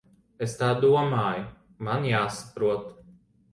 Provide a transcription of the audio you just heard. Es tā domāju. Man jāsaprot.